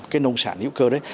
cái nông sản hữu cơ đấy